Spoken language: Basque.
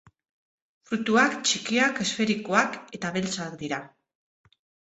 Fruituak txikiak, esferikoak eta beltzak dira.